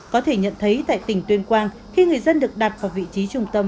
có thể nhận thấy tại tỉnh tuyên quang khi người dân được đặt vào vị trí trung tâm